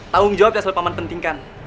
tanggung jawab itu yang selalu pak man pentingkan